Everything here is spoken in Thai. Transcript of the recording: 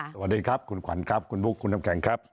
สวัสดีครับคุณขวัญครับคุณบุ๊คคุณน้ำแข็งครับ